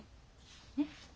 えっ？